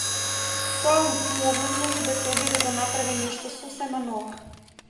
Тоа му овозможи да се обиде да направи нешто сосема ново.